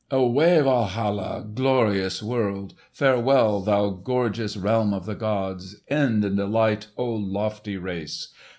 "Away, Walhalla! Glorious world! Farewell thou gorgeous Realm of the gods! End in delight O lofty race!